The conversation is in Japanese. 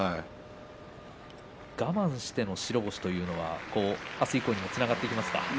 我慢しての白星は明日以降につながっていきますか。